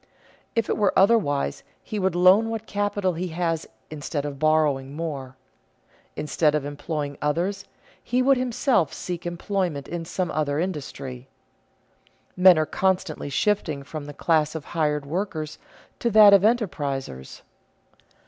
If it were otherwise, he would loan what capital he has instead of borrowing more; instead of employing others, he would himself seek employment in some other industry. Men are constantly shifting from the class of hired workers to that of enterprisers.